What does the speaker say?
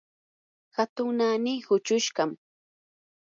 hatun naani huchushqam.